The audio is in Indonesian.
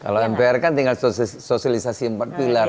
kalau mpr kan tinggal sosialisasi empat pilar